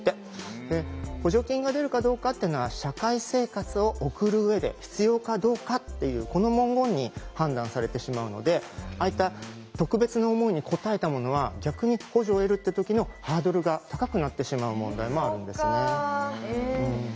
で補助金が出るかどうかっていうのは「社会生活を送る上で必要かどうか」っていうこの文言に判断されてしまうのでああいった特別な思いに応えたものは逆に補助を得るって時のハードルが高くなってしまう問題もあるんですね。